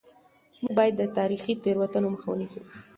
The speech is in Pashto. موږ باید د تاریخي تېروتنو مخه ونیسو.